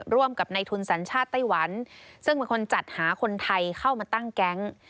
ร่วมกับในทุนสัญชาติไต้หวันซึ่งเป็นคนจัดหาคนไทยเข้ามาตั้งแก๊ง